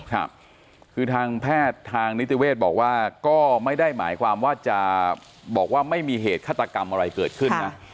ครับคือทางแพทย์ทางนิติเวศบอกว่าก็ไม่ได้หมายความว่าจะบอกว่าไม่มีเหตุฆาตกรรมอะไรเกิดขึ้นนะ